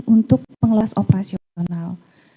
untuk pengelolaan operasional